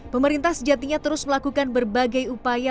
pemerintah sejatinya terus melakukan berbagai upaya